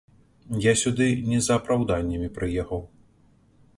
Я сюды не за апраўданнямі прыехаў.